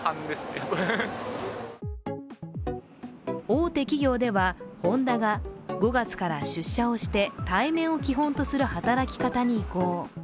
大手企業ではホンダが５月から出社をして対面を基本とする働き方に移行。